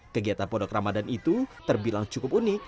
kegiatan pondok ramadan itu terbilang cukup unik